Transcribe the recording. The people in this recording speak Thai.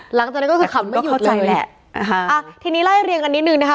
หลังจากนั้นก็คือคำไม่หยุดเลยอ่าฮะแล้วทีนี้ล่ายเรียงกันนิดนึงนะคะ